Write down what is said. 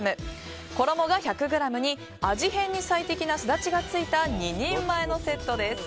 衣が１００ｇに味変に最適なスダチがついた２人前のセットです。